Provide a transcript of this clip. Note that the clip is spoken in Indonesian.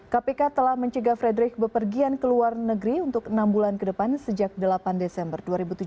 kpk telah mencegah frederick bepergian ke luar negeri untuk enam bulan ke depan sejak delapan desember dua ribu tujuh belas